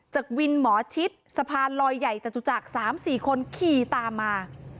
วินหมอชิดสะพานลอยใหญ่จตุจักร๓๔คนขี่ตามมา